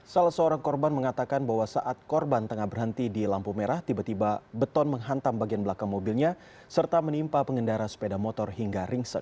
salah seorang korban mengatakan bahwa saat korban tengah berhenti di lampu merah tiba tiba beton menghantam bagian belakang mobilnya serta menimpa pengendara sepeda motor hingga ringsek